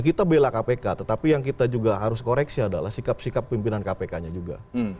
kita bela kpk tetapi yang kita juga harus koreksi adalah sikap sikap pimpinan kpk nya juga